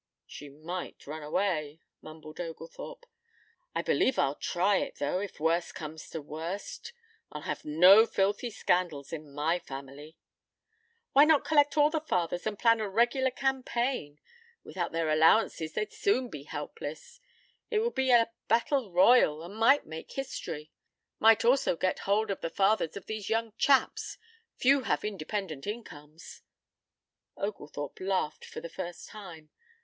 "She might run away," rumbled Oglethorpe. "I believe I'll try it, though, if worse comes to worst. I'll have no filthy scandals in my family." "Why not collect all the fathers and plan a regular campaign? Without their allowances they'd soon be helpless. It would be a battle royal and might make history! Might also get hold of the fathers of these young chaps. Few have independent incomes." Oglethorpe laughed for the first time.